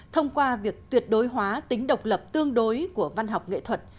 thông qua việc tuyệt đối hóa tính độc lập tương đối của văn học nghệ thuật